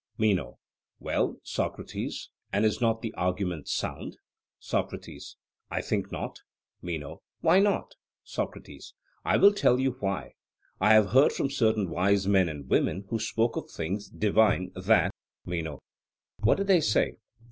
MENO: Well, Socrates, and is not the argument sound? SOCRATES: I think not. MENO: Why not? SOCRATES: I will tell you why: I have heard from certain wise men and women who spoke of things divine that MENO: What did they say?